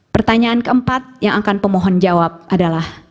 pertanyaan keempat yang akan pemohon jawab adalah